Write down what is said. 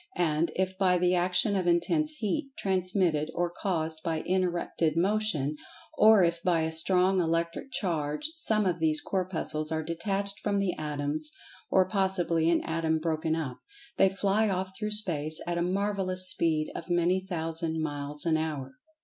And, if by the action of intense heat, transmitted, or caused by interrupted Motion—or if by a strong Electric charge—some of these Corpuscles are detached from the Atoms (or possibly an Atom broken up), they fly off through Space at a marvellous speed of many thousand miles an hour.